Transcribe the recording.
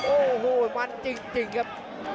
โอ้โหมันจริงครับ